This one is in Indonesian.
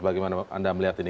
bagaimana anda melihat ini